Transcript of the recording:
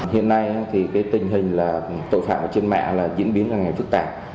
hiện nay thì cái tình hình là tội phạm trên mạng là diễn biến ra ngày phức tạp